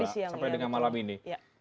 sampai dengan malam ini